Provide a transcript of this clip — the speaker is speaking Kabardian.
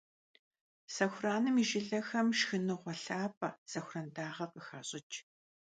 Сэхураным и жылэхэм шхыныгъуэ лъапӀэ - сэхуран дагъэ - къыхащӀыкӀ.